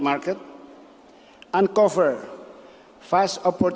menemukan kesempatan yang cepat